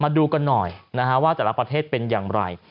ดูกันหน่อยว่าแต่ละประเทศเป็นอย่างไร